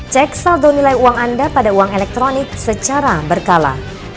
cek saldo nilai uang anda pada uang elektronik secara berkala